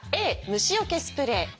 「Ａ虫よけスプレー」。